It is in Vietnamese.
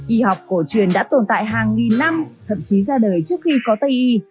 y học cổ truyền đã tồn tại hàng nghìn năm thậm chí ra đời trước khi có tây y